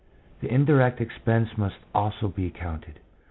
The indirect expense must also be counted.